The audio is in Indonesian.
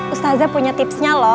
ustazah punya tipsnya lho